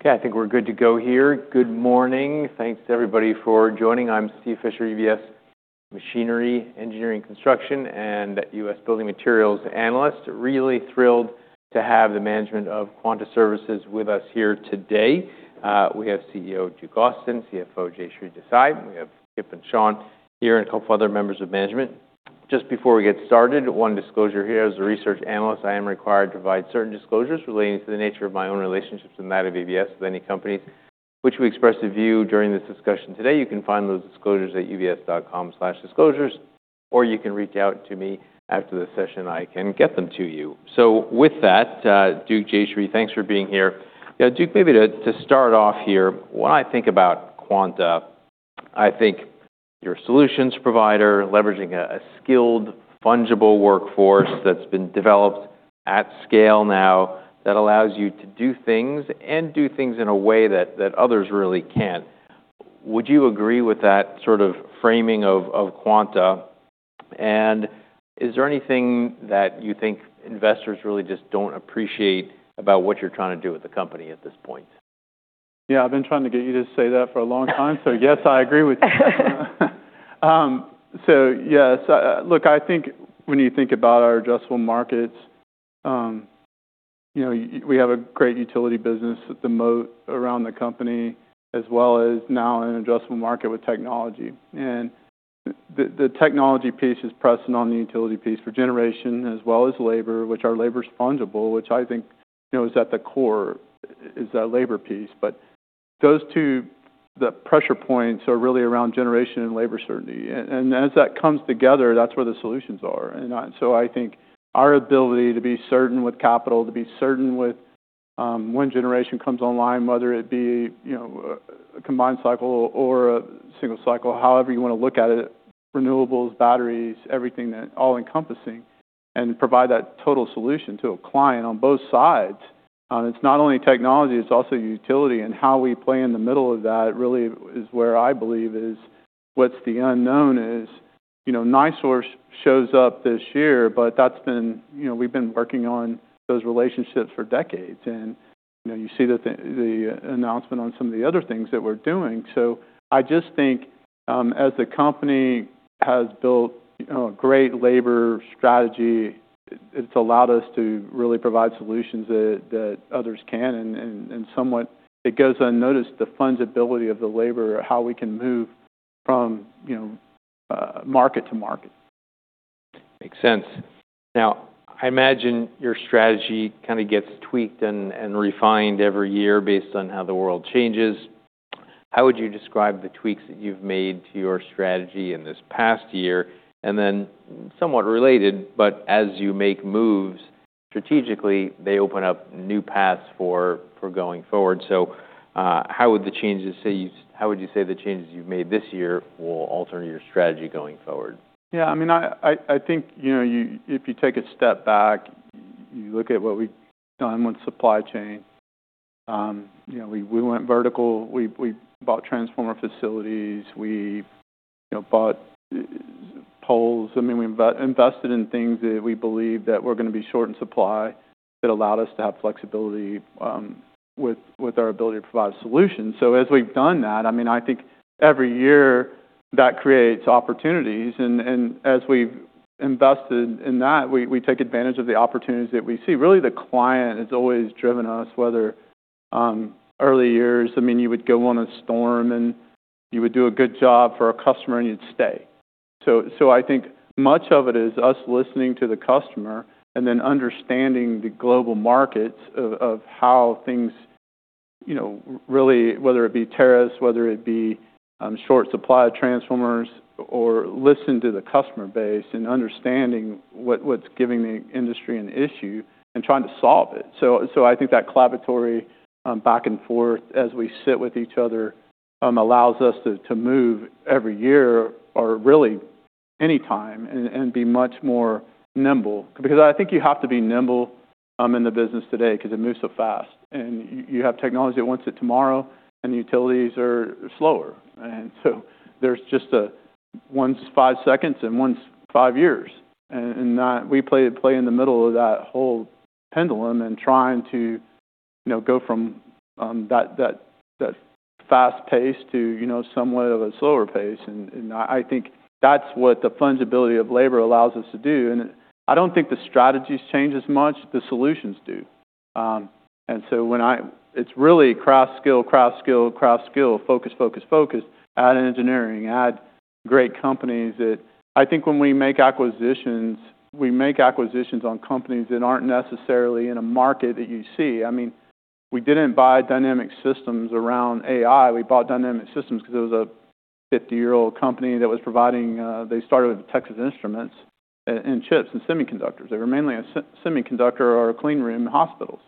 Okay, I think we're good to go here. Good morning. Thanks to everybody for joining. I'm Steve Fisher, UBS Machinery Engineering Construction and US Building Materials Analyst. Really thrilled to have the management of Quanta Services with us here today. We have CEO Duke Austin, CFO Jayshree Desai. We have Kip and Sean here, and a couple other members of management. Just before we get started, one disclosure here. As a research analyst, I am required to provide certain disclosures relating to the nature of my own relationships and that of UBS with any companies which we express a view during this discussion today. You can find those disclosures at ubs.com/disclosures, or you can reach out to me after the session. I can get them to you. With that, Duke, Jayshree, thanks for being here. Yeah, Duke, maybe to start off here, when I think about Quanta, I think you're a solutions provider, leveraging a skilled, fungible workforce that's been developed at scale now that allows you to do things and do things in a way that others really can't. Would you agree with that sort of framing of Quanta? Is there anything that you think investors really just don't appreciate about what you're trying to do with the company at this point? Yeah, I've been trying to get you to say that for a long time. Yes, I agree with you. Yes, look, I think when you think about our adjustable markets, we have a great utility business at the moat around the company, as well as now an adjustable market with technology. The technology piece is pressing on the utility piece for generation, as well as labor, which our labor is fungible, which I think is at the core, is our labor piece. Those two, the pressure points are really around generation and labor certainty. As that comes together, that's where the solutions are. I think our ability to be certain with capital, to be certain with when generation comes online, whether it be a combined cycle or a single cycle, however you want to look at it, renewables, batteries, everything that all encompassing, and provide that total solution to a client on both sides. It's not only technology, it's also utility. How we play in the middle of that really is where I believe is what's the unknown is. NiSource shows up this year, but that's been we've been working on those relationships for decades. You see the announcement on some of the other things that we're doing. I just think as the company has built a great labor strategy, it's allowed us to really provide solutions that others can. Somewhat it goes unnoticed, the fungibility of the labor, how we can move from market to market. Makes sense. Now, I imagine your strategy kind of gets tweaked and refined every year based on how the world changes. How would you describe the tweaks that you've made to your strategy in this past year? Somewhat related, as you make moves strategically, they open up new paths for going forward. How would you say the changes you've made this year will alter your strategy going forward? Yeah, I mean, I think if you take a step back, you look at what we've done with supply chain. We went vertical. We bought transformer facilities. We bought poles. I mean, we invested in things that we believe that were going to be short in supply that allowed us to have flexibility with our ability to provide solutions. As we've done that, I mean, I think every year that creates opportunities. As we've invested in that, we take advantage of the opportunities that we see. Really, the client has always driven us, whether early years, I mean, you would go on a storm and you would do a good job for a customer and you'd stay. I think much of it is us listening to the customer and then understanding the global markets of how things really, whether it be tariffs, whether it be short supply of transformers, or listen to the customer base and understanding what's giving the industry an issue and trying to solve it. I think that collaboratory back and forth as we sit with each other allows us to move every year or really any time and be much more nimble. Because I think you have to be nimble in the business today because it moves so fast. You have technology that wants it tomorrow, and the utilities are slower. There is just one's five seconds and one's five years. We play in the middle of that whole pendulum and trying to go from that fast pace to somewhat of a slower pace. I think that's what the fungibility of labor allows us to do. I don't think the strategies change as much. The solutions do. When I it's really craft skill, craft skill, craft skill, focus, focus, focus, add engineering, add great companies that I think when we make acquisitions, we make acquisitions on companies that aren't necessarily in a market that you see. I mean, we didn't buy Dynamic Systems around AI. We bought Dynamic Systems because it was a 50-year-old company that was providing they started with Texas Instruments and chips and semiconductors. They were mainly a semiconductor or a clean room in hospitals.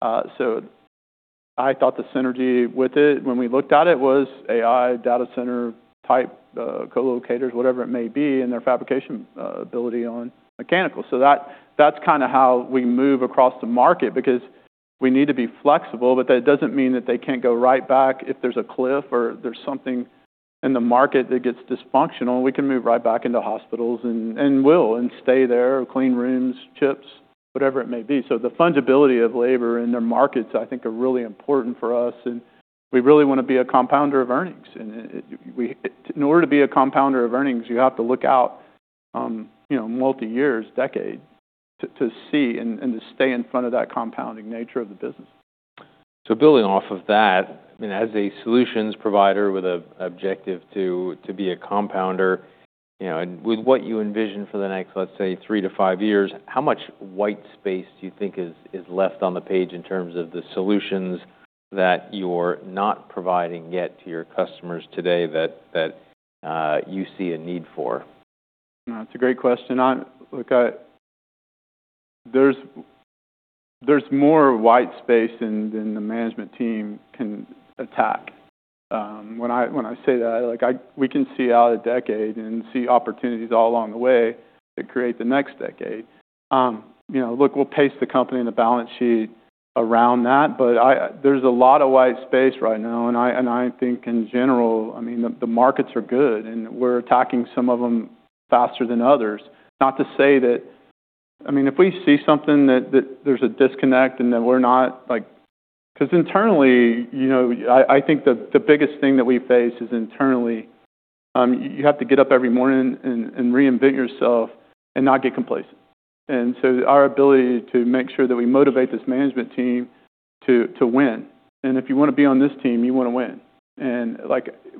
I thought the synergy with it when we looked at it was AI, data center type co-locators, whatever it may be, and their fabrication ability on mechanical. That is kind of how we move across the market because we need to be flexible, but that does not mean that they cannot go right back if there is a cliff or there is something in the market that gets dysfunctional. We can move right back into hospitals and will and stay there, clean rooms, chips, whatever it may be. The fungibility of labor in their markets, I think, is really important for us. We really want to be a compounder of earnings. In order to be a compounder of earnings, you have to look out multi-years, decade to see and to stay in front of that compounding nature of the business. Building off of that, I mean, as a solutions provider with an objective to be a compounder, with what you envision for the next, let's say, three to five years, how much white space do you think is left on the page in terms of the solutions that you're not providing yet to your customers today that you see a need for? That's a great question. Look, there's more white space than the management team can attack. When I say that, we can see out a decade and see opportunities all along the way that create the next decade. Look, we'll pace the company and the balance sheet around that, but there's a lot of white space right now. I think in general, I mean, the markets are good, and we're attacking some of them faster than others. Not to say that, I mean, if we see something that there's a disconnect and that we're not because internally, I think the biggest thing that we face is internally, you have to get up every morning and reinvent yourself and not get complacent. Our ability to make sure that we motivate this management team to win. If you want to be on this team, you want to win.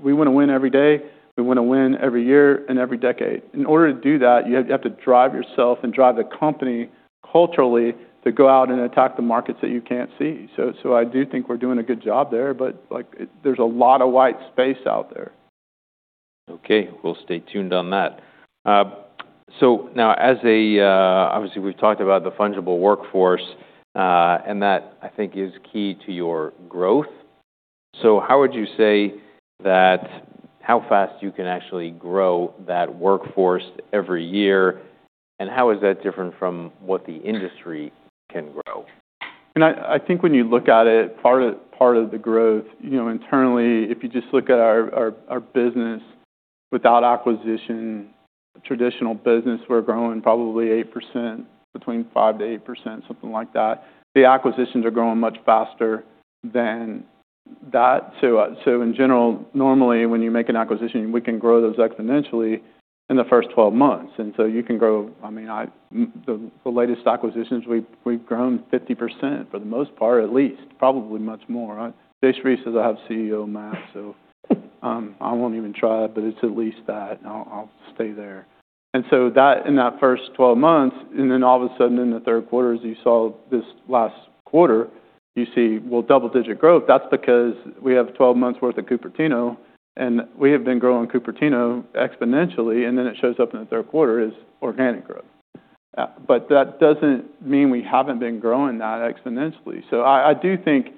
We want to win every day. We want to win every year and every decade. In order to do that, you have to drive yourself and drive the company culturally to go out and attack the markets that you cannot see. I do think we are doing a good job there, but there is a lot of white space out there. Okay. We'll stay tuned on that. Obviously, we've talked about the fungible workforce, and that I think is key to your growth. How would you say that how fast you can actually grow that workforce every year? How is that different from what the industry can grow? I think when you look at it, part of the growth internally, if you just look at our business without acquisition, traditional business, we're growing probably 8%, between 5-8%, something like that. The acquisitions are growing much faster than that. Normally when you make an acquisition, we can grow those exponentially in the first 12 months. You can grow, I mean, the latest acquisitions, we've grown 50% for the most part, at least, probably much more. Jayshree says I have CEO max, so I won't even try it, but it's at least that. I'll stay there. In that first 12 months, all of a sudden in the third quarter, as you saw this last quarter, you see, double-digit growth. That's because we have 12 months' worth of Cupertino, and we have been growing Cupertino exponentially. It shows up in the third quarter as organic growth. That does not mean we have not been growing that exponentially. I do think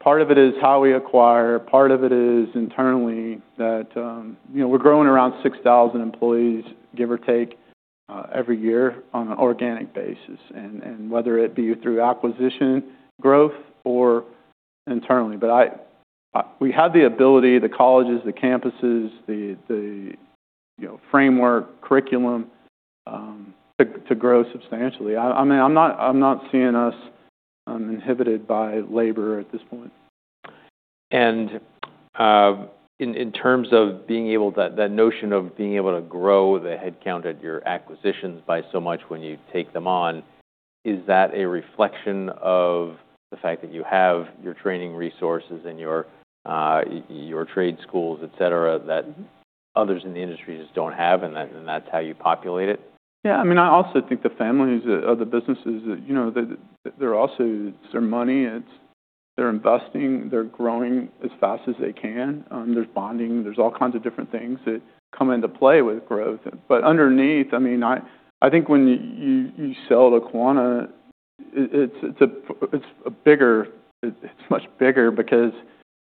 part of it is how we acquire. Part of it is internally that we are growing around 6,000 employees, give or take, every year on an organic basis, and whether it be through acquisition, growth, or internally. We have the ability, the colleges, the campuses, the framework, curriculum to grow substantially. I mean, I am not seeing us inhibited by labor at this point. In terms of being able, that notion of being able to grow, they had counted your acquisitions by so much when you take them on. Is that a reflection of the fact that you have your training resources and your trade schools, etc., that others in the industry just do not have? And that is how you populate it? Yeah. I mean, I also think the families of the businesses, they're also their money. They're investing. They're growing as fast as they can. There's bonding. There's all kinds of different things that come into play with growth. Underneath, I mean, I think when you sell to Quanta, it's a bigger, it's much bigger because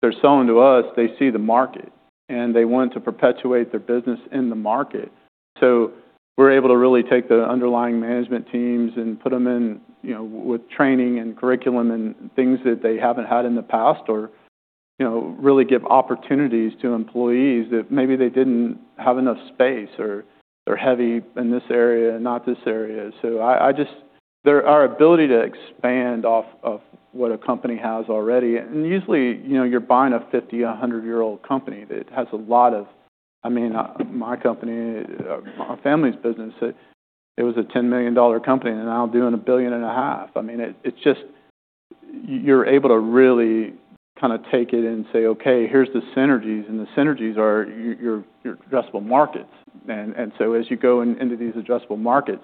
they're selling to us, they see the market, and they want to perpetuate their business in the market. We're able to really take the underlying management teams and put them in with training and curriculum and things that they haven't had in the past or really give opportunities to employees that maybe they didn't have enough space or they're heavy in this area and not this area. I just their ability to expand off of what a company has already. Usually, you're buying a 50, 100-year-old company that has a lot of, I mean, my company, my family's business, it was a $10 million company, and now doing a billion and a half. I mean, it's just you're able to really kind of take it and say, "Okay, here's the synergies." The synergies are your adjustable markets. As you go into these adjustable markets,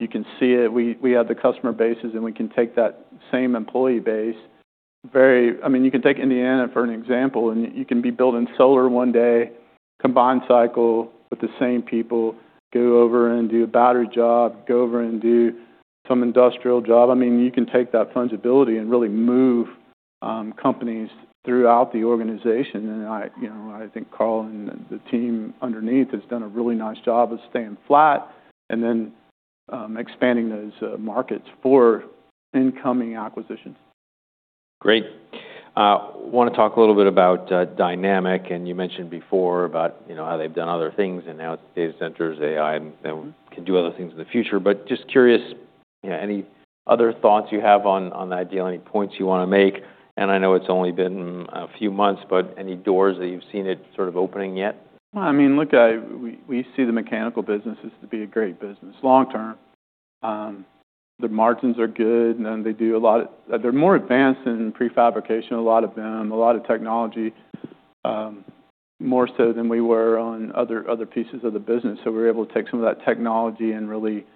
you can see it. We have the customer bases, and we can take that same employee base. I mean, you can take Indiana for an example, and you can be building solar one day, combined cycle with the same people, go over and do a battery job, go over and do some industrial job. I mean, you can take that fungibility and really move companies throughout the organization. I think Carl and the team underneath has done a really nice job of staying flat and then expanding those markets for incoming acquisitions. Great. I want to talk a little bit about Dynamic. You mentioned before about how they've done other things and now data centers, AI, and can do other things in the future. Just curious, any other thoughts you have on that deal? Any points you want to make? I know it's only been a few months, but any doors that you've seen it sort of opening yet? I mean, look, we see the mechanical businesses to be a great business long term. The margins are good, and they do a lot of—they're more advanced in prefabrication, a lot of them, a lot of technology, more so than we were on other pieces of the business. We are able to take some of that technology and it really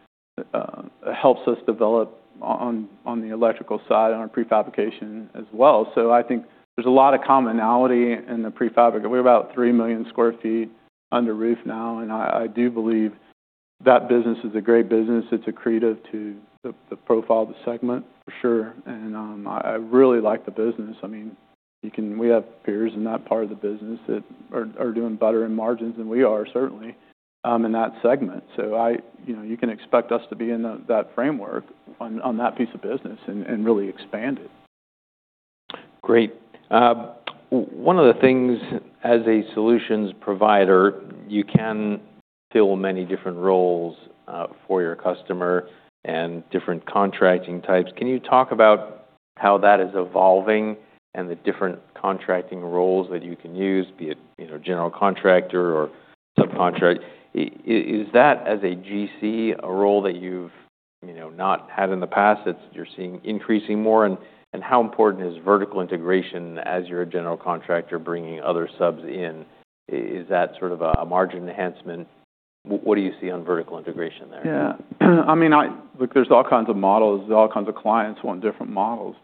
helps us develop on the electrical side and our prefabrication as well. I think there is a lot of commonality in the prefabrication. We are about 3 million sq ft under roof now. I do believe that business is a great business. It is accretive to the profile of the segment, for sure. I really like the business. I mean, we have peers in that part of the business that are doing better in margins than we are, certainly, in that segment. You can expect us to be in that framework on that piece of business and really expand it. Great. One of the things as a solutions provider, you can fill many different roles for your customer and different contracting types. Can you talk about how that is evolving and the different contracting roles that you can use, be it general contractor or subcontractor? Is that as a GC a role that you've not had in the past that you're seeing increasing more? How important is vertical integration as you're a general contractor bringing other subs in? Is that sort of a margin enhancement? What do you see on vertical integration there? Yeah. I mean, look, there are all kinds of models. All kinds of clients want different models.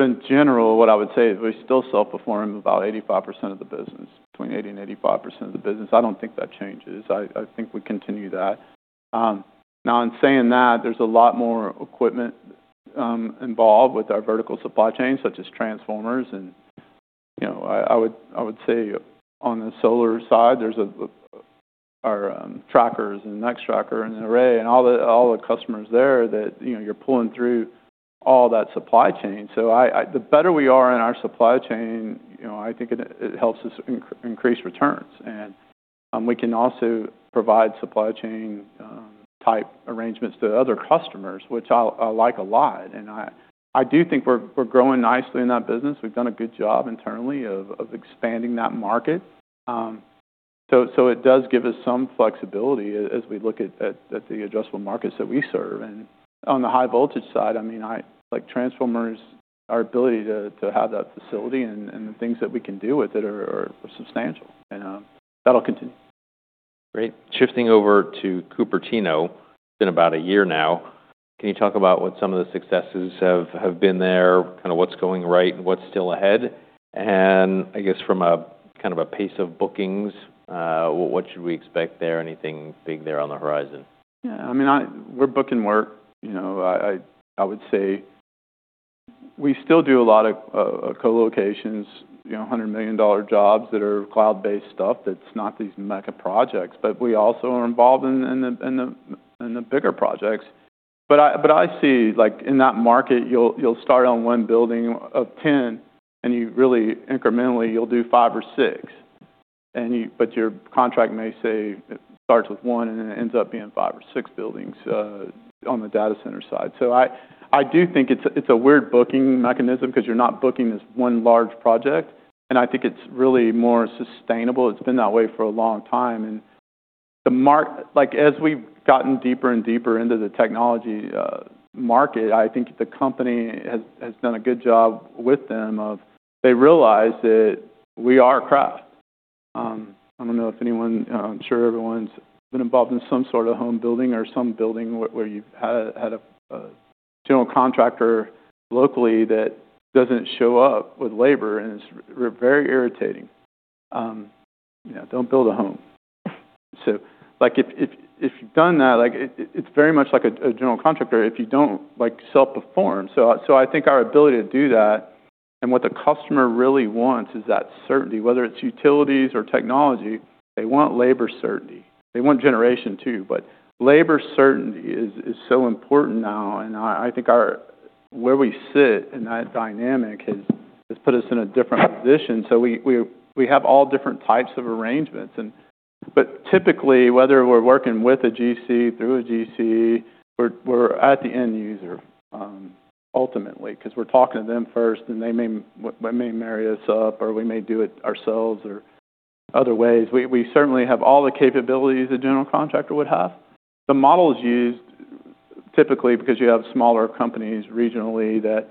In general, what I would say is we still self-perform about 85% of the business, between 80% and 85% of the business. I do not think that changes. I think we continue that. In saying that, there is a lot more equipment involved with our vertical supply chain, such as transformers. I would say on the solar side, there are our trackers and Nextracker and Array and all the customers there that you are pulling through all that supply chain. The better we are in our supply chain, I think it helps us increase returns. We can also provide supply chain-type arrangements to other customers, which I like a lot. I do think we are growing nicely in that business. We have done a good job internally of expanding that market. It does give us some flexibility as we look at the adjustable markets that we serve. On the high voltage side, I mean, transformers, our ability to have that facility and the things that we can do with it are substantial. That'll continue. Great. Shifting over to Cupertino, it's been about a year now. Can you talk about what some of the successes have been there, kind of what's going right and what's still ahead? I guess from a kind of a pace of bookings, what should we expect there? Anything big there on the horizon? Yeah. I mean, we're booking work. I would say we still do a lot of co-locations, $100 million jobs that are cloud-based stuff that's not these mega projects, but we also are involved in the bigger projects. I see in that market, you'll start on one building of 10, and really incrementally, you'll do five or six. Your contract may say it starts with one and it ends up being five or six buildings on the data center side. I do think it's a weird booking mechanism because you're not booking this one large project. I think it's really more sustainable. It's been that way for a long time. As we've gotten deeper and deeper into the technology market, I think the company has done a good job with them of they realize that we are a craft. I don't know if anyone, I'm sure everyone's been involved in some sort of home building or some building where you've had a general contractor locally that doesn't show up with labor, and it's very irritating. Don't build a home. If you've done that, it's very much like a general contractor if you don't self-perform. I think our ability to do that and what the customer really wants is that certainty, whether it's utilities or technology, they want labor certainty. They want generation too. Labor certainty is so important now. I think where we sit in that dynamic has put us in a different position. We have all different types of arrangements. Typically, whether we're working with a GC, through a GC, we're at the end user ultimately because we're talking to them first, and they may marry us up, or we may do it ourselves or other ways. We certainly have all the capabilities a general contractor would have. The model is used typically because you have smaller companies regionally that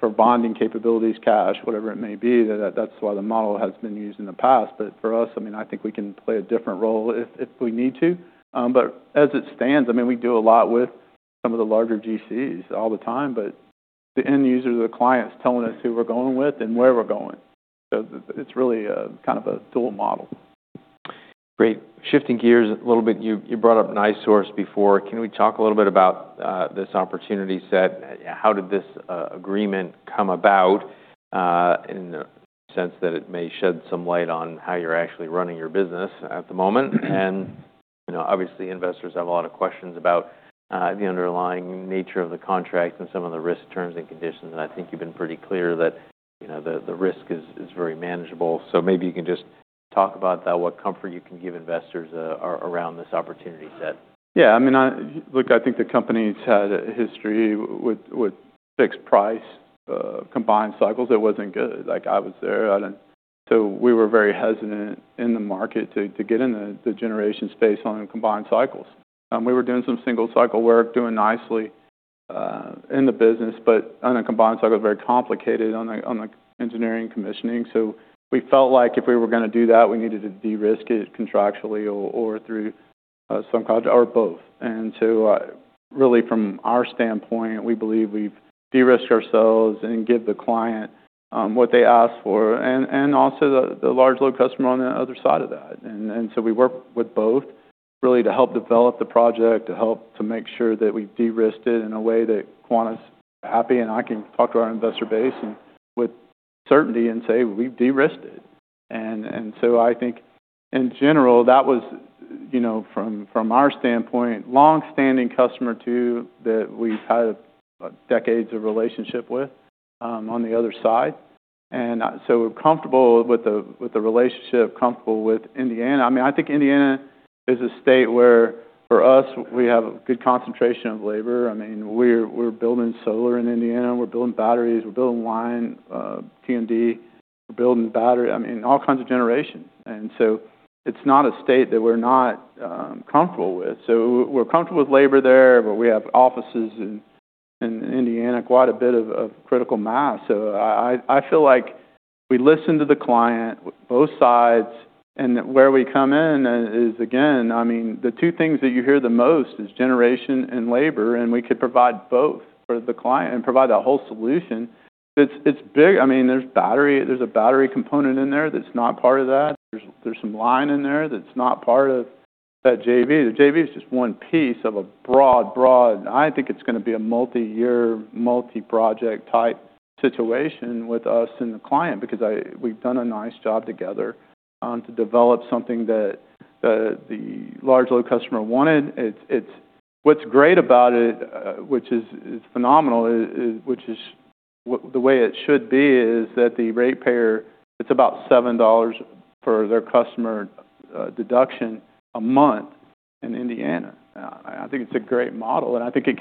for bonding capabilities, cash, whatever it may be. That's why the model has been used in the past. For us, I mean, I think we can play a different role if we need to. As it stands, I mean, we do a lot with some of the larger GCs all the time, but the end user or the client's telling us who we're going with and where we're going. It's really kind of a dual model. Great. Shifting gears a little bit, you brought up NiSource before. Can we talk a little bit about this opportunity set? How did this agreement come about in the sense that it may shed some light on how you're actually running your business at the moment? Obviously, investors have a lot of questions about the underlying nature of the contract and some of the risk terms and conditions. I think you've been pretty clear that the risk is very manageable. Maybe you can just talk about that, what comfort you can give investors around this opportunity set. Yeah. I mean, look, I think the company's had a history with fixed price combined cycles. It wasn't good. I was there. We were very hesitant in the market to get in the generation space on combined cycles. We were doing some single cycle work, doing nicely in the business, but on a combined cycle, very complicated on the engineering commissioning. We felt like if we were going to do that, we needed to de-risk it contractually or through some kind of or both. Really, from our standpoint, we believe we've de-risked ourselves and give the client what they ask for and also the large load customer on the other side of that. We work with both really to help develop the project, to help to make sure that we've de-risked it in a way that Quanta's happy. I can talk to our investor base with certainty and say, "We've de-risked it." I think in general, that was from our standpoint, long-standing customer too that we've had decades of relationship with on the other side. We're comfortable with the relationship, comfortable with Indiana. I mean, I think Indiana is a state where for us, we have a good concentration of labor. I mean, we're building solar in Indiana. We're building batteries. We're building line, T&D. We're building battery. I mean, all kinds of generation. It's not a state that we're not comfortable with. We're comfortable with labor there, but we have offices in Indiana, quite a bit of critical mass. I feel like we listen to the client, both sides. Where we come in is, again, I mean, the two things that you hear the most are generation and labor. We could provide both for the client and provide the whole solution. I mean, there's battery. There's a battery component in there that's not part of that. There's some line in there that's not part of that JV. The JV is just one piece of a broad, broad, I think it's going to be a multi-year, multi-project type situation with us and the client because we've done a nice job together to develop something that the large load customer wanted. What's great about it, which is phenomenal, which is the way it should be, is that the ratepayer, it's about $7 for their customer deduction a month in Indiana. I think it's a great model. I think you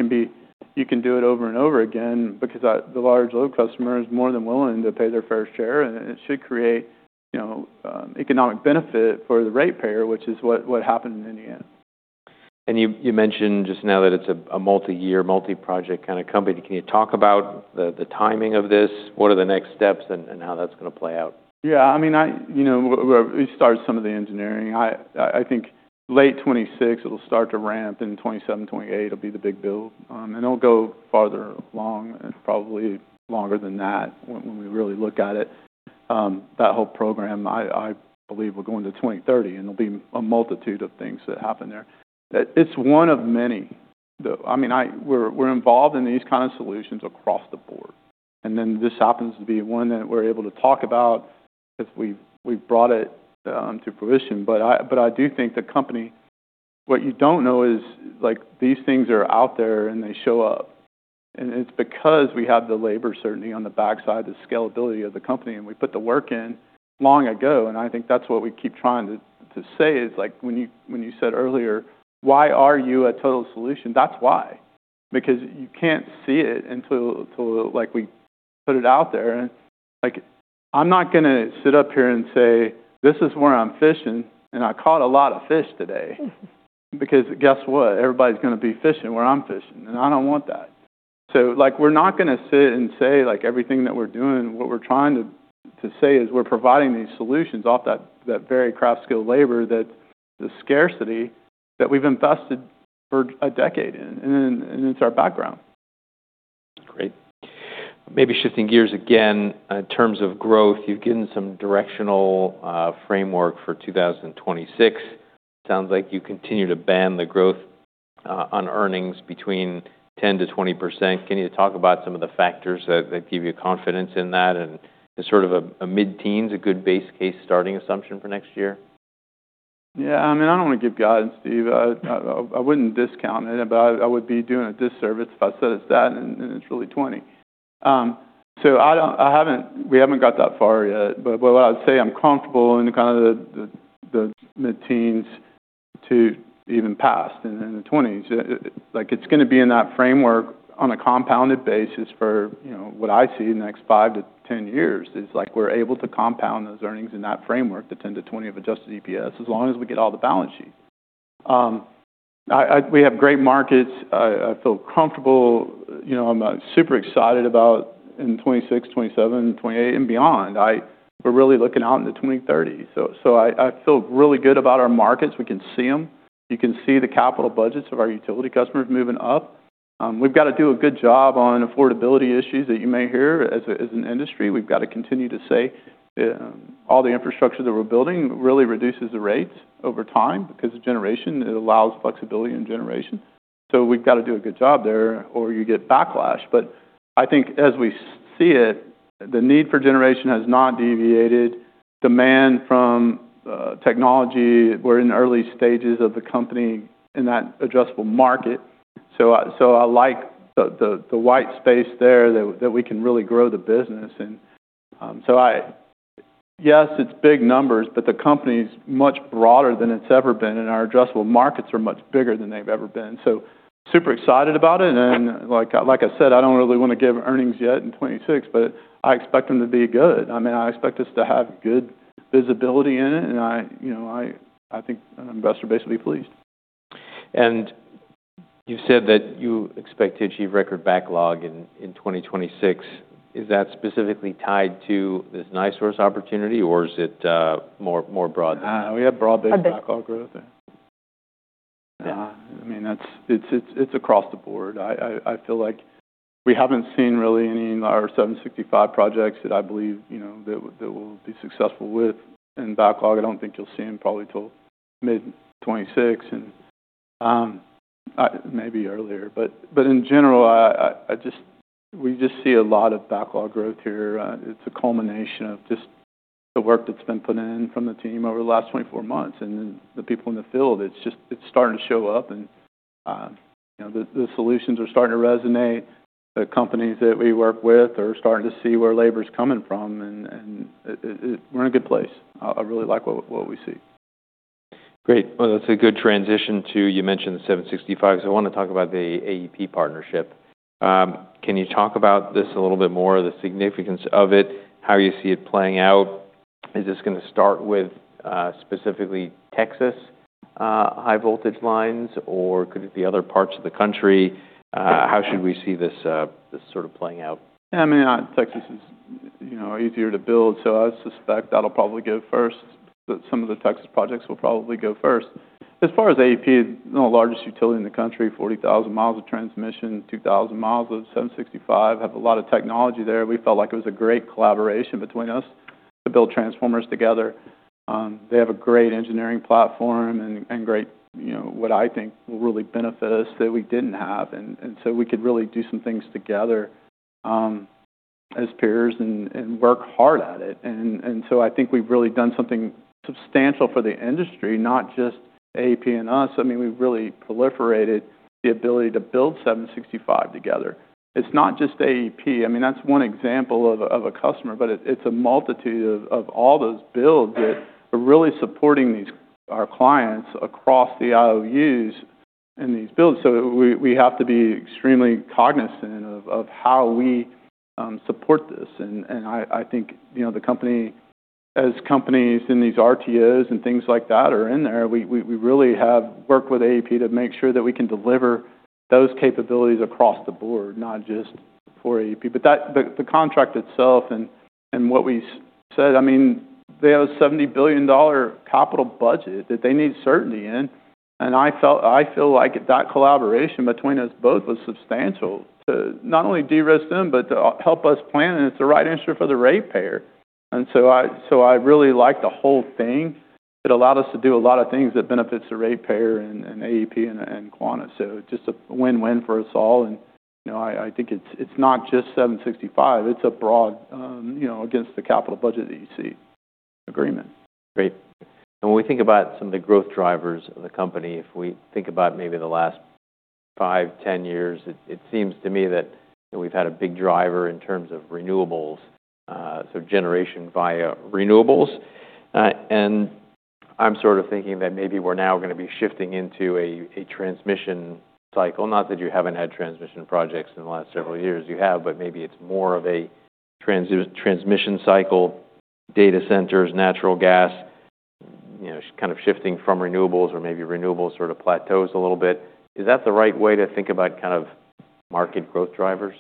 can do it over and over again because the large load customer is more than willing to pay their fair share. It should create economic benefit for the ratepayer, which is what happened in Indiana. You mentioned just now that it's a multi-year, multi-project kind of company. Can you talk about the timing of this? What are the next steps and how that's going to play out? Yeah. I mean, we started some of the engineering. I think late 2026, it'll start to ramp. In 2027, 2028, it'll be the big build. It will go farther along and probably longer than that when we really look at it, that whole program. I believe we're going to 2033, and there'll be a multitude of things that happen there. It's one of many. I mean, we're involved in these kinds of solutions across the board. This happens to be one that we're able to talk about because we've brought it to fruition. I do think the company, what you do not know is these things are out there and they show up. It is because we have the labor certainty on the backside, the scalability of the company. We put the work in long ago. I think that's what we keep trying to say is when you said earlier, "Why are you a total solution?" That's why. Because you can't see it until we put it out there. I'm not going to sit up here and say, "This is where I'm fishing." I caught a lot of fish today because guess what? Everybody's going to be fishing where I'm fishing. I don't want that. We're not going to sit and say everything that we're doing. What we're trying to say is we're providing these solutions off that very craft skilled labor that's the scarcity that we've invested for a decade in. It's our background. Great. Maybe shifting gears again, in terms of growth, you've given some directional framework for 2026. It sounds like you continue to band the growth on earnings between 10%-20%. Can you talk about some of the factors that give you confidence in that and sort of a mid-teens, a good base case starting assumption for next year? Yeah. I mean, I don't want to give guidance, Steve. I wouldn't discount it, but I would be doing a disservice if I said it's that and it's really 20. We haven't got that far yet. What I would say, I'm comfortable in kind of the mid-teens to even past and in the 20s. It's going to be in that framework on a compounded basis for what I see in the next 5 to 10 years as we're able to compound those earnings in that framework, the 10-20% of adjusted EPS, as long as we get all the balance sheet. We have great markets. I feel comfortable. I'm super excited about in 2026, 2027, 2028, and beyond. We're really looking out into 2030. I feel really good about our markets. We can see them. You can see the capital budgets of our utility customers moving up. We've got to do a good job on affordability issues that you may hear as an industry. We've got to continue to say all the infrastructure that we're building really reduces the rates over time because of generation. It allows flexibility in generation. We've got to do a good job there or you get backlash. I think as we see it, the need for generation has not deviated. Demand from technology, we're in early stages of the company in that adjustable market. I like the white space there that we can really grow the business. Yes, it's big numbers, but the company's much broader than it's ever been. Our adjustable markets are much bigger than they've ever been. Super excited about it. Like I said, I do not really want to give earnings yet in 2026, but I expect them to be good. I mean, I expect us to have good visibility in it. I think investors are basically pleased. You said that you expect to achieve record backlog in 2026. Is that specifically tied to this NiSource opportunity, or is it more broad? We have broad-based backlog growth. I mean, it's across the board. I feel like we haven't seen really any in our 765kV projects that I believe that we will be successful with. Backlog, I don't think you'll see them probably till mid-2026 and maybe earlier. In general, we just see a lot of backlog growth here. It's a culmination of just the work that's been put in from the team over the last 24 months and the people in the field. It's starting to show up. The solutions are starting to resonate. The companies that we work with are starting to see where labor is coming from. We're in a good place. I really like what we see. Great. That is a good transition to you mentioned the 765. I want to talk about the AEP partnership. Can you talk about this a little bit more, the significance of it, how you see it playing out? Is this going to start with specifically Texas high voltage lines, or could it be other parts of the country? How should we see this sort of playing out? I mean, Texas is easier to build. I suspect that'll probably go first. Some of the Texas projects will probably go first. As far as AEP, the largest utility in the country, 40,000 miles of transmission, 2,000 miles of 765kV, have a lot of technology there. We felt like it was a great collaboration between us to build transformers together. They have a great engineering platform and great what I think will really benefit us that we didn't have. I think we could really do some things together as peers and work hard at it. I think we've really done something substantial for the industry, not just AEP and us. I mean, we've really proliferated the ability to build 765kV together. It's not just AEP. I mean, that's one example of a customer, but it's a multitude of all those builds that are really supporting our clients across the IOUs and these builds. We have to be extremely cognizant of how we support this. I think the company, as companies in these RTOs and things like that are in there, we really have worked with AEP to make sure that we can deliver those capabilities across the board, not just for AEP. The contract itself and what we said, I mean, they have a $70 billion capital budget that they need certainty in. I feel like that collaboration between us both was substantial to not only de-risk them, but to help us plan. It's the right answer for the ratepayer. I really like the whole thing. It allowed us to do a lot of things that benefits the ratepayer and AEP and Quanta. Just a win-win for us all. I think it's not just 765. It's a broad against the capital budget that you see agreement. Great. When we think about some of the growth drivers of the company, if we think about maybe the last five, ten years, it seems to me that we've had a big driver in terms of renewables, so generation via renewables. I'm sort of thinking that maybe we're now going to be shifting into a transmission cycle. Not that you haven't had transmission projects in the last several years. You have, but maybe it's more of a transmission cycle, data centers, natural gas, kind of shifting from renewables or maybe renewables sort of plateaus a little bit. Is that the right way to think about kind of market growth drivers?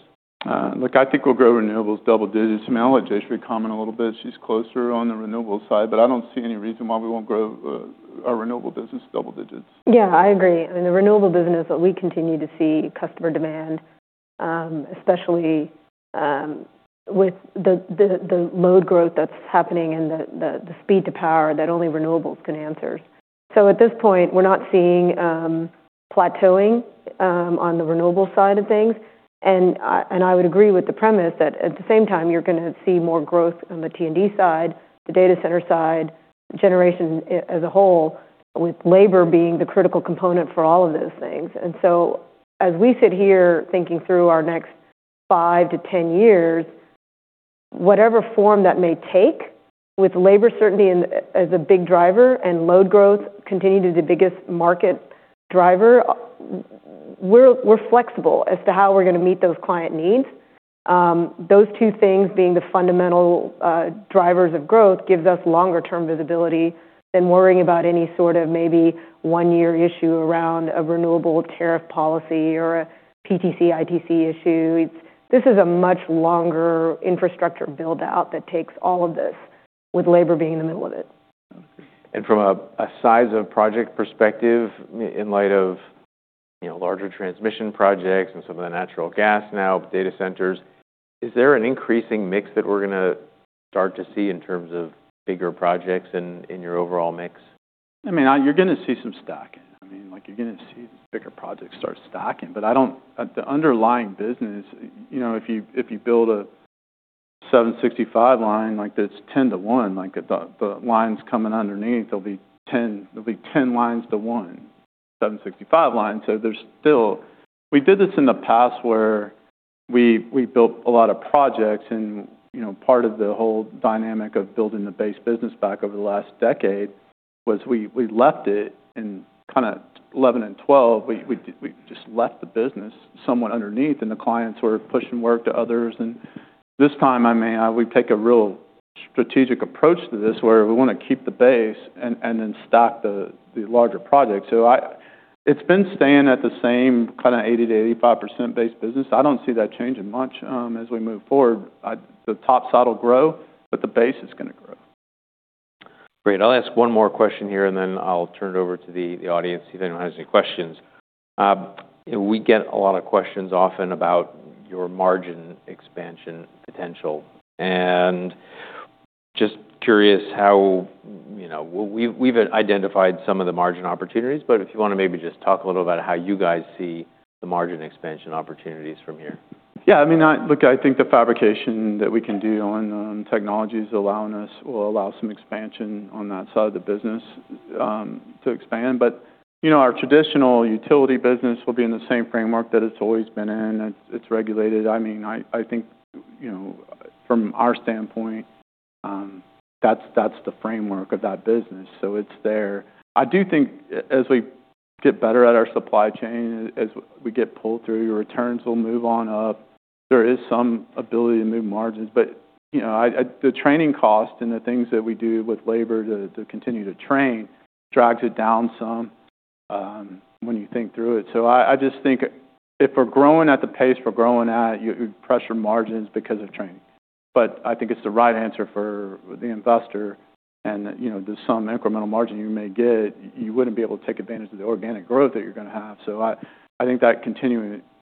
Look, I think we'll grow renewables double digits. Malachi is coming a little bit. She's closer on the renewable side. But I don't see any reason why we won't grow our renewable business double digits. Yeah, I agree. I mean, the renewable business, we continue to see customer demand, especially with the load growth that's happening and the speed to power that only renewables can answer. At this point, we're not seeing plateauing on the renewable side of things. I would agree with the premise that at the same time, you're going to see more growth on the T&D side, the data center side, generation as a whole, with labor being the critical component for all of those things. As we sit here thinking through our next 5 to 10 years, whatever form that may take, with labor certainty as a big driver and load growth continuing to be the biggest market driver, we're flexible as to how we're going to meet those client needs. Those two things being the fundamental drivers of growth gives us longer-term visibility than worrying about any sort of maybe one-year issue around a renewable tariff policy or a PTC, ITC issue. This is a much longer infrastructure build-out that takes all of this with labor being in the middle of it. From a size of project perspective, in light of larger transmission projects and some of the natural gas now, data centers, is there an increasing mix that we're going to start to see in terms of bigger projects in your overall mix? I mean, you're going to see some stacking. I mean, you're going to see bigger projects start stacking. The underlying business, if you build a 765kV line that's 10 to 1, the lines coming underneath, there'll be 10 lines to 1, 765kV line. We did this in the past where we built a lot of projects. Part of the whole dynamic of building the base business back over the last decade was we left it in kind of 2011 and 2012. We just left the business somewhat underneath, and the clients were pushing work to others. This time, I mean, we take a real strategic approach to this where we want to keep the base and then stack the larger projects. It's been staying at the same kind of 80%-85% base business. I don't see that changing much as we move forward. The top side will grow, but the base is going to grow. Great. I'll ask one more question here, and then I'll turn it over to the audience if anyone has any questions. We get a lot of questions often about your margin expansion potential. Just curious how we've identified some of the margin opportunities, but if you want to maybe just talk a little about how you guys see the margin expansion opportunities from here. Yeah. I mean, look, I think the fabrication that we can do on technologies will allow some expansion on that side of the business to expand. But our traditional utility business will be in the same framework that it's always been in. It's regulated. I mean, I think from our standpoint, that's the framework of that business. So it's there. I do think as we get better at our supply chain, as we get pulled through, your returns will move on up. There is some ability to move margins. The training cost and the things that we do with labor to continue to train drags it down some when you think through it. I just think if we're growing at the pace we're growing at, you pressure margins because of training. I think it's the right answer for the investor. There is some incremental margin you may get. You would not be able to take advantage of the organic growth that you are going to have. I think that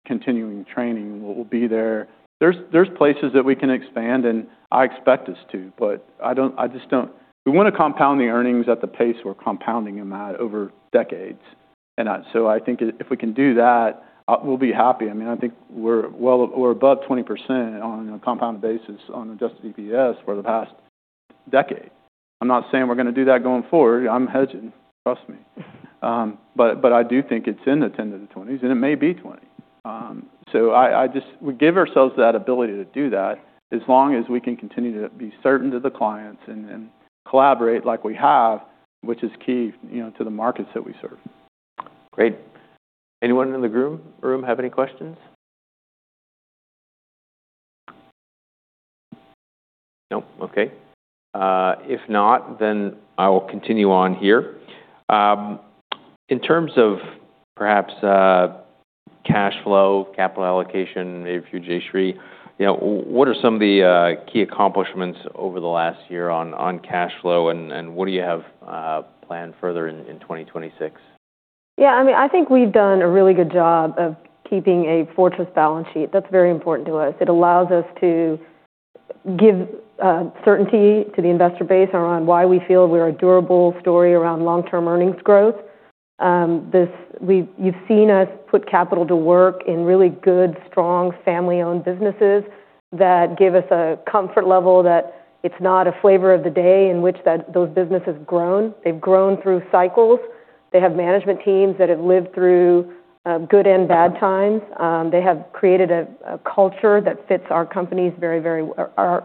continuing training will be there. There are places that we can expand, and I expect us to. I just do not think we want to compound the earnings at the pace we are compounding them at over decades. I think if we can do that, we will be happy. I mean, I think we are above 20% on a compounded basis on adjusted EPS for the past decade. I am not saying we are going to do that going forward. I am hedging. Trust me. I do think it is in the 10-20% range, and it may be 20%. We give ourselves that ability to do that as long as we can continue to be certain to the clients and collaborate like we have, which is key to the markets that we serve. Great. Anyone in the room have any questions? No? Okay. If not, then I will continue on here. In terms of perhaps cash flow, capital allocation, maybe a few, Jayshree, what are some of the key accomplishments over the last year on cash flow, and what do you have planned further in 2026? Yeah. I mean, I think we've done a really good job of keeping a fortress balance sheet. That's very important to us. It allows us to give certainty to the investor base around why we feel we're a durable story around long-term earnings growth. You've seen us put capital to work in really good, strong, family-owned businesses that give us a comfort level that it's not a flavor of the day in which those businesses have grown. They've grown through cycles. They have management teams that have lived through good and bad times. They have created a culture that fits our companies very, very, our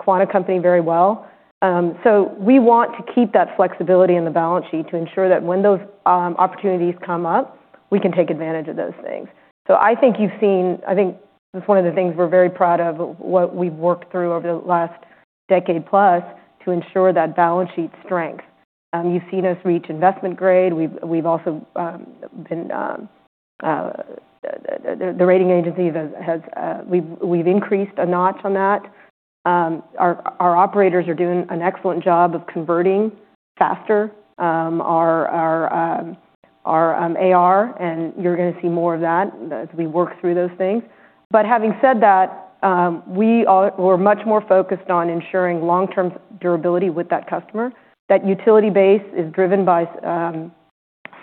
Quanta company very well. We want to keep that flexibility in the balance sheet to ensure that when those opportunities come up, we can take advantage of those things. I think you've seen, I think it's one of the things we're very proud of, what we've worked through over the last decade plus to ensure that balance sheet strength. You've seen us reach investment grade. We've also been, the rating agency has, we've increased a notch on that. Our operators are doing an excellent job of converting faster. Our AR, and you're going to see more of that as we work through those things. Having said that, we were much more focused on ensuring long-term durability with that customer. That utility base is driven by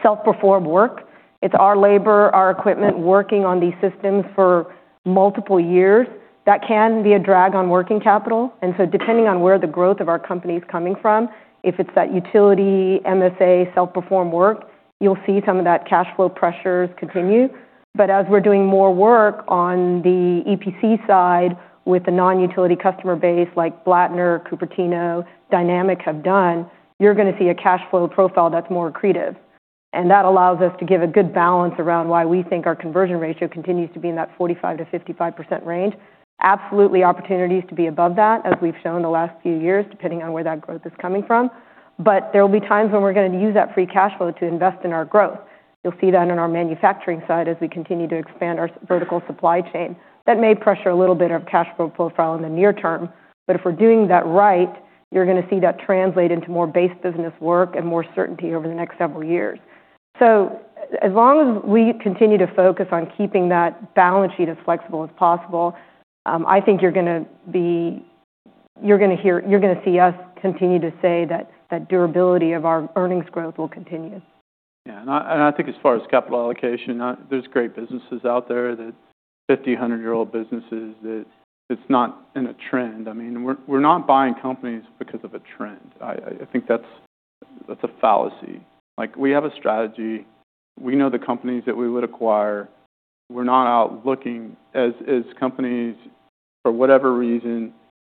self-performed work. It's our labor, our equipment working on these systems for multiple years. That can be a drag on working capital. Depending on where the growth of our company is coming from, if it's that utility, MSA, self-performed work, you'll see some of that cash flow pressures continue. As we're doing more work on the EPC side with a non-utility customer base like Blattner, Cupertino, Dynamic have done, you're going to see a cash flow profile that's more accretive. That allows us to give a good balance around why we think our conversion ratio continues to be in that 45-55% range. Absolutely opportunities to be above that as we've shown the last few years, depending on where that growth is coming from. There will be times when we're going to use that free cash flow to invest in our growth. You'll see that on our manufacturing side as we continue to expand our vertical supply chain. That may pressure a little bit of cash flow profile in the near term. If we're doing that right, you're going to see that translate into more base business work and more certainty over the next several years. As long as we continue to focus on keeping that balance sheet as flexible as possible, I think you're going to see us continue to say that that durability of our earnings growth will continue. Yeah. I think as far as capital allocation, there's great businesses out there, 50, 100-year-old businesses that it's not in a trend. I mean, we're not buying companies because of a trend. I think that's a fallacy. We have a strategy. We know the companies that we would acquire. We're not out looking as companies for whatever reason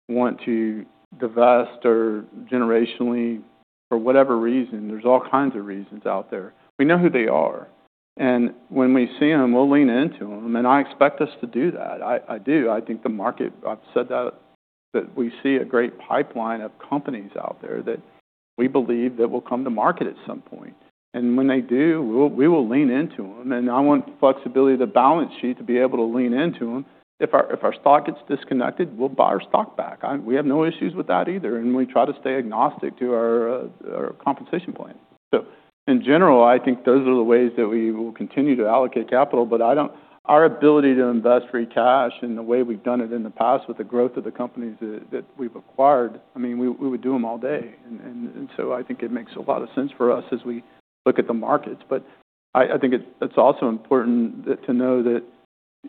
want to divest or generationally for whatever reason. There's all kinds of reasons out there. We know who they are. When we see them, we'll lean into them. I expect us to do that. I do. I think the market, I've said that, that we see a great pipeline of companies out there that we believe that will come to market at some point. When they do, we will lean into them. I want flexibility of the balance sheet to be able to lean into them. If our stock gets disconnected, we'll buy our stock back. We have no issues with that either. We try to stay agnostic to our compensation plan. In general, I think those are the ways that we will continue to allocate capital. Our ability to invest free cash and the way we've done it in the past with the growth of the companies that we've acquired, I mean, we would do them all day. I think it makes a lot of sense for us as we look at the markets. I think it's also important to know that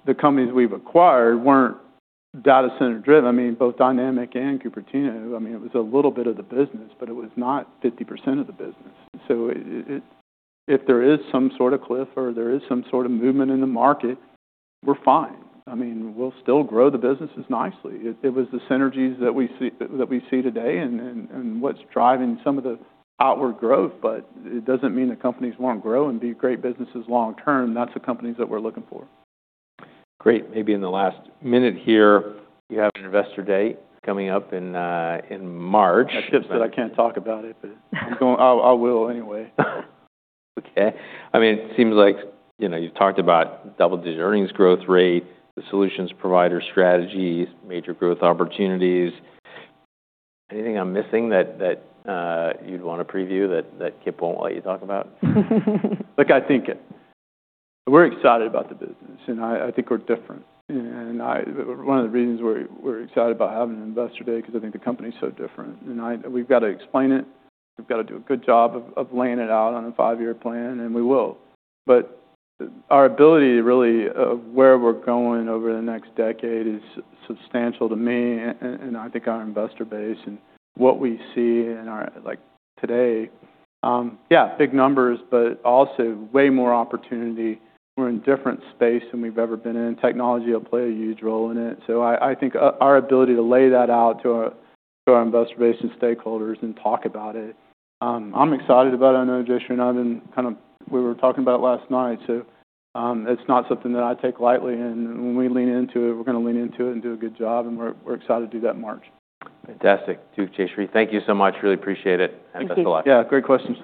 the companies we've acquired weren't data center-driven. I mean, both Dynamic and Cupertino, I mean, it was a little bit of the business, but it was not 50% of the business. If there is some sort of cliff or there is some sort of movement in the market, we're fine. I mean, we'll still grow the businesses nicely. It was the synergies that we see today and what's driving some of the outward growth. It does not mean the companies will not grow and be great businesses long-term. That's the companies that we're looking for. Great. Maybe in the last minute here, you have an investor day coming up in March. I tips that I can't talk about it, but I will anyway. Okay. I mean, it seems like you've talked about double-digit earnings growth rate, the solutions provider strategies, major growth opportunities. Anything I'm missing that you'd want to preview that Kip won't let you talk about? Look, I think we're excited about the business. I think we're different. One of the reasons we're excited about having an investor day is because I think the company is so different. We've got to explain it. We've got to do a good job of laying it out on a five-year plan, and we will. Our ability to really where we're going over the next decade is substantial to me. I think our investor base and what we see today, yeah, big numbers, but also way more opportunity. We're in a different space than we've ever been in. Technology will play a huge role in it. I think our ability to lay that out to our investor base and stakeholders and talk about it, I'm excited about it. I know Jayshree and I've been kind of we were talking about it last night. It is not something that I take lightly. When we lean into it, we are going to lean into it and do a good job. We are excited to do that in March. Fantastic. Duke, Jayshree, thank you so much. Really appreciate it. Have a nice day. Thank you. Yeah. Great questions.